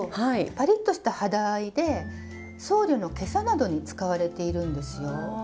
パリッとした肌合いで僧侶の袈裟などに使われているんですよ。